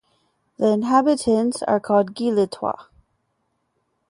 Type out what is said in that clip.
The inhabitants are called "Gilettois".